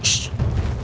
biar aku lihat